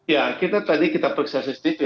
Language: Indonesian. ya kita tadi kita periksa cctv